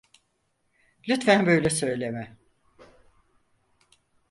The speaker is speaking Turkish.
Lütfen böyle söyleme.